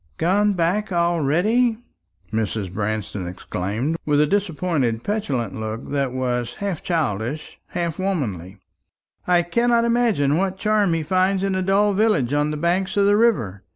"Gone back already!" Mrs. Branston exclaimed, with a disappointed petulant look that was half childish, half womanly. "I cannot imagine what charm he finds in a dull village on the banks of the river.